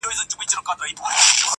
• ته ګرځې لالهانده پسي شیخه ما لیدلي,